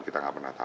kita ga pernah tau